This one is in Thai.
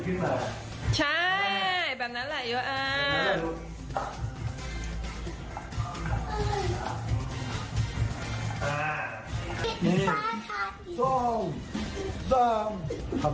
โอเคครับติดมากเลย